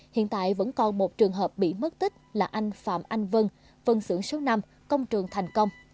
hiện tại vẫn còn một trường hợp bị mất tích là anh phạm anh vân phân xưởng số năm công trường thành công